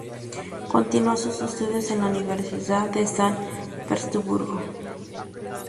Continuó sus estudios en la Universidad de San Petersburgo.